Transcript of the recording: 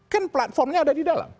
kan platformnya ada di dalam